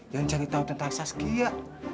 yang cari tahu tentang saskia